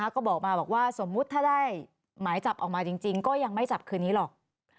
ก็บอกมาบอกว่าสมมุติถ้าได้หมายจับออกมาจริงก็ยังไม่จับคืนนี้หรอก